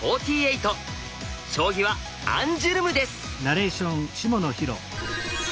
将棋はアンジュルムです。